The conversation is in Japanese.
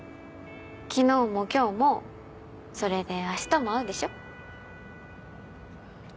昨日も今日もそれであしたも会うでしょ。